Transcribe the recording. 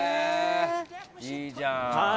いいじゃん。